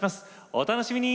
お楽しみに！